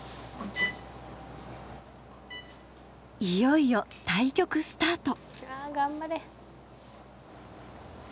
いよいよ対局スタート。